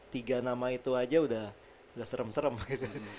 tiga nama itu aja udah serem serem gitu